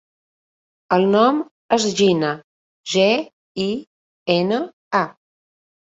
El nom és Gina: ge, i, ena, a.